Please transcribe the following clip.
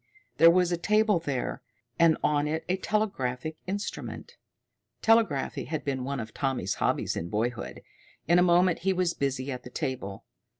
There was a table there, and on it a telegraphic instrument. Telegraphy had been one of Tommy's hobbies in boyhood. In a moment he was busy at the table.